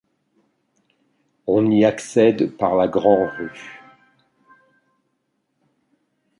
On y accède par la Grand-Rue.